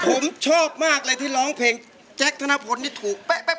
ผมชอบมากเลยที่ร้องเพลงแจ๊คธนพลนี่ถูกแป๊บ